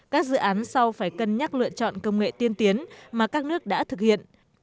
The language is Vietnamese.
các dự án sau phải cân nhắc lựa chọn công nghệ tiên tiến mà các nước đã thực hiện